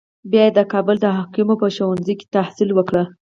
بیا یې د کابل د حکامو په ښوونځي کې تحصیل وکړ.